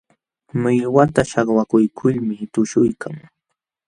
Millwata śhawakuykulmi tuśhuykan.